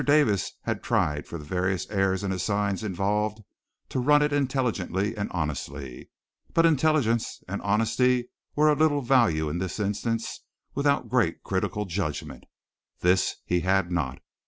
Davis had tried for the various heirs and assigns involved to run it intelligently and honestly, but intelligence and honesty were of little value in this instance without great critical judgment. This he had not.